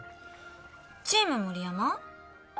チーム森山？